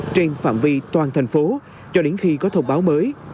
trên phạm vi toàn thành phố cho đến khi có thông báo mới